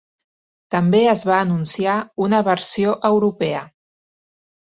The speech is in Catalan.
També es va anunciar una versió europea.